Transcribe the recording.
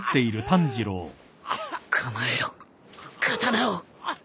構えろ刀を